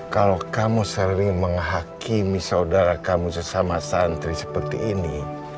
kalau kamu sering menghakimi saudara kamu sesama santri seperti ini